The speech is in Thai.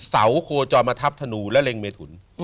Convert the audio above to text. เสาโคจรมาทับธนูและเล็งเมถุน